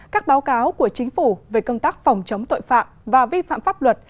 các báo cáo của chính phủ về công tác phòng chống tội phạm và vi phạm pháp luật